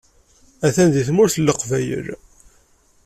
Atan deg Tmurt n Leqbayel.